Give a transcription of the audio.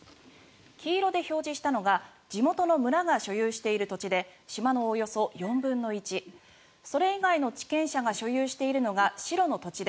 黄色で表示したのが地元の村が所有している土地で島のおよそ４分の１。それ以外の地権者が所有しているのが白の土地で